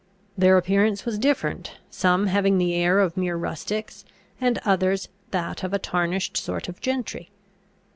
Their appearance was different, some having the air of mere rustics, and others that of a tarnished sort of gentry.